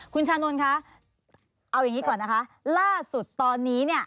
คุณชานนท์เอาอย่างนี้ก่อนล่าสุดตอนนี้